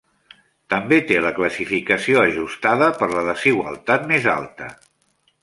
També té la classificació ajustada per la desigualtat més alta.